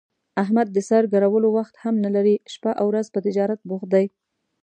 احمد د سر ګرولو وخت هم نه لري، شپه اورځ په تجارت بوخت دی.